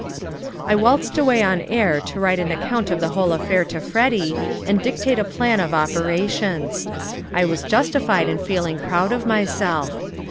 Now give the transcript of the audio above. I waltzed away on air to write an account of the whole affair to Freddy, and dictate a plan of operations. I was justified in feeling proud of myself.